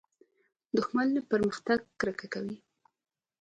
دښمن له پرمختګه کرکه کوي